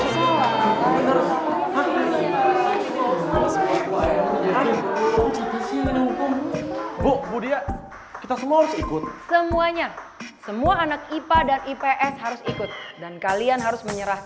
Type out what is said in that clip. sampai jumpa di video selanjutnya